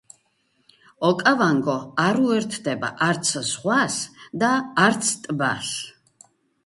ოკავანგო არ უერთდება არც ზღვას და არც ტბას.